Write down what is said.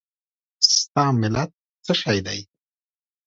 ستا ملت څه شی دی؟